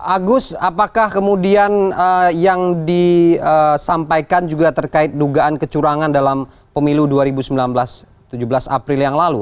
agus apakah kemudian yang disampaikan juga terkait dugaan kecurangan dalam pemilu dua ribu sembilan belas tujuh belas april yang lalu